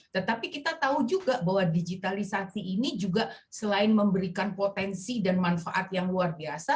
tetapi kita tahu juga bahwa digitalisasi ini juga selain memberikan potensi dan manfaat yang luar biasa